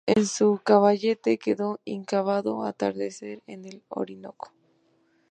En su caballete quedó inacabado ""Atardecer en el Orinoco"".